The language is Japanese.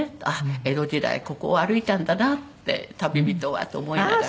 江戸時代ここを歩いたんだなって旅人はと思いながら。